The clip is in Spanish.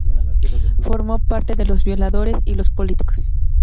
Formó parte de Los Violadores, y Los Políticos.